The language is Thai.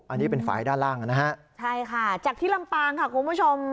อันนี้เป็นฝ่ายด้านล่างนะฮะใช่ค่ะจากที่ลำปางค่ะคุณผู้ชม